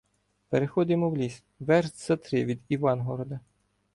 Переходимо в ліс, верст за три від Івангорода.